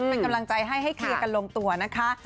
เป็นกำลังใจให้ให้เคลียร์กันลงตัวนะคะ